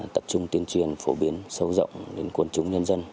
tập trung tuyên truyền phổ biến sâu rộng đến quần chúng nhân dân